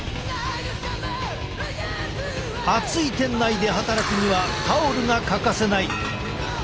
暑い店内で働くにはタオルが欠かせない。